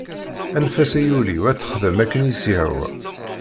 Anef-as ay ul-iw ad texdem akken i s-yehwa.